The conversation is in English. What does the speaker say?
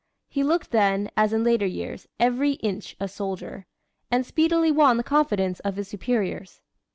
He looked then, as in later years, "every inch a soldier," and speedily won the confidence of his superiors.